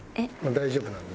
大丈夫なんで。